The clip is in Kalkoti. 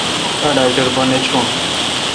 اے°ڈاکٹر پہ نہ چھون۔